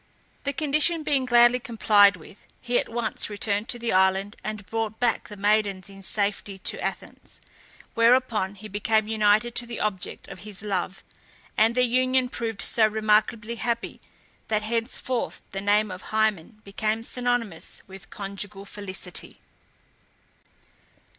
The condition being gladly complied with, he at once returned to the island, and brought back the maidens in safety to Athens, whereupon he became united to the object of his love; and their union proved so remarkably happy, that henceforth the name of Hymen became synonymous with conjugal felicity.